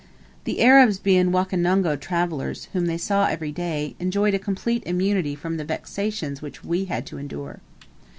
The Arabs being "Wakonongo" travellers, whom they saw every day, enjoyed a complete immunity from the vexations which we had to endure.